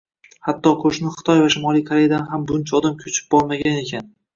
Hatto qo‘shni Xitoy va Shimoliy Koreyadan ham buncha odam ko‘chib bormagan ekan.